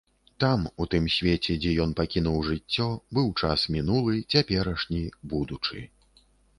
Там, у тым свеце, дзе ён пакінуў жыццё, быў час мінулы, цяперашні, будучы.